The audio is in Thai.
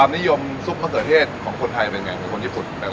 แล้วทำน้ำซุปมะเขือเทศของคนไทยเป็นยังไงคนญี่ปุ่นแหละ